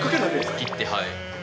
切って、はい。